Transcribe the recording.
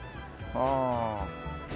ああ。